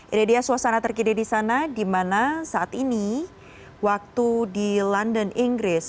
ini dia suasana terkini di sana di mana saat ini waktu di london inggris